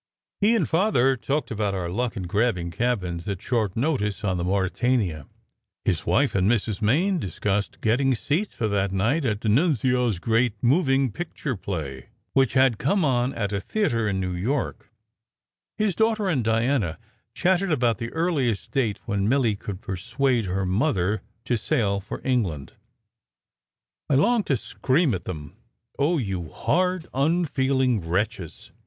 He and Father talked about our luck in grabbing cabins at short notice on 164 SECRET HISTORY the Mauretania\ his wife and Mrs. Main discussed getting seats for that night at D Annunzio s great moving picture play, which had come on at a theatre in New York; his daughter and Diana chatted about the earliest date when Milly could persuade her mother to sail for England. I longed to scream at them, "Oh, you hard, unfeeling wretches!"